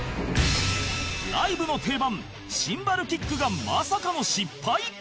ライブの定番シンバルキックがまさかの失敗？